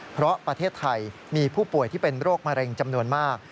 เพราะประเทศไทยมีผู้ป่วยที่เป็นโรคมะเร็งจำนวนมาก